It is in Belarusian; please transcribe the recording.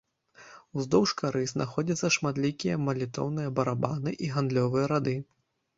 Уздоўж кары знаходзяцца шматлікія малітоўныя барабаны і гандлёвыя рады.